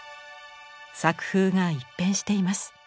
作風が一変しています。